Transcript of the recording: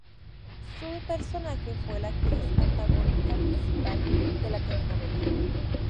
Su personaje fue la Actriz Antagónica Principal de la Telenovela